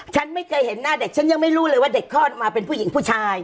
ฉันไม่เคยเห็นหน้าเด็กฉันยังไม่รู้เลยว่าเด็กคลอดมาเป็นผู้หญิงผู้ชาย